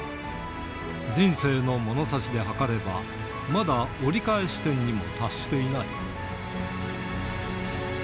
人生のものさしで測れば、まだ折り返し点にも達していない。